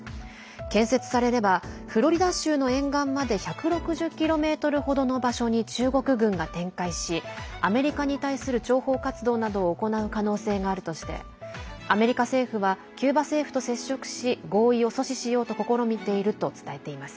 建設されればフロリダ州の沿岸まで１６０ｋｍ程の場所に中国軍が展開しアメリカに対する諜報活動などを行う可能性があるとしてアメリカ政府はキューバ政府と接触し合意を阻止しようと試みていると伝えています。